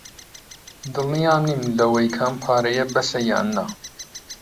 دڵنیا نیم لەوەی کە ئەم پارەیە بەسە یان نا.